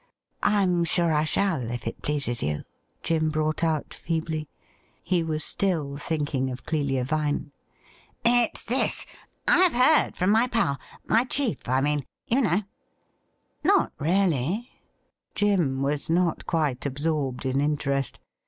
' I am sure I shall, if it pleases you,' Jim brought out feebly. He was still thinking of Clelia Vine. ' It's this : I have heard from my pal — my chief, I mean — ^you know.' ' Not really .?' Jim was not quite absorbed in interest.